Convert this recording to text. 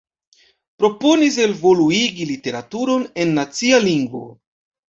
Proponis evoluigi literaturon en nacia lingvo.